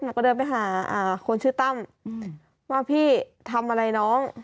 ก็เดินไปหาคนชื่อตั้มว่าพี่ทำอะไรน้อง